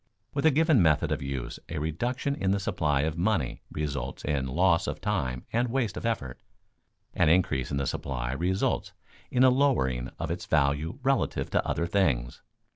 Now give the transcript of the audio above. With a given method of use a reduction in the supply of money results in loss of time and waste of effort; an increase in the supply results in a lowering of its value relative to other things.